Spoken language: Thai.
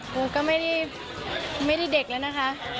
กูก็ไม่ได้เด็กแล้วนะคะ